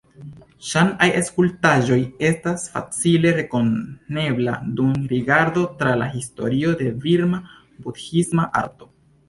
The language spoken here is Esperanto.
Ŝan-aj skulptaĵoj estas facile rekoneblaj dum rigardo tra la historio de Birma budhisma arto.